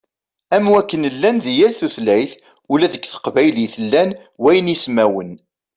Am wakken yella di yal tutlayt, ula deg teqbaylit llan waynismawen.